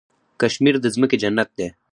کشمیر د ځمکې جنت دی.